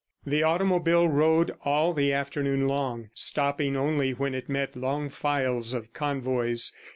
The automobile rode all the afternoon long, stopping only when it met long files of convoys.